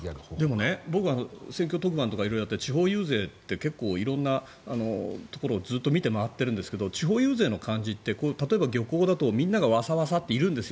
でも、僕選挙特番とか色々やって地方遊説って結構、色んなところをずっと見て回ってるんですが地方遊説の感じって例えば漁港だとみんながワサワサといるんです。